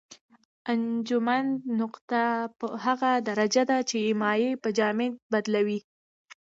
انجماد نقطه هغه درجه ده چې مایع په جامد بدلوي.